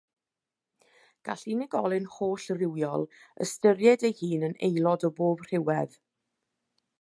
Gall unigolyn hollrywiol ystyried ei hun yn aelod o bob rhywedd.